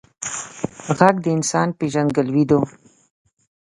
غږ د انسان پیژندګلوي ده